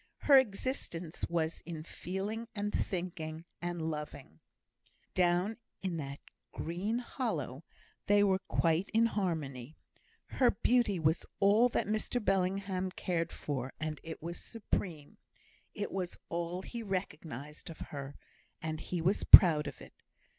Her existence was in feeling, and thinking, and loving. Down in that green hollow they were quite in harmony. Her beauty was all that Mr Bellingham cared for, and it was supreme. It was all he recognised of her, and he was proud of it.